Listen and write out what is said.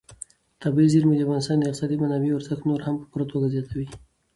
طبیعي زیرمې د افغانستان د اقتصادي منابعو ارزښت نور هم په پوره توګه زیاتوي.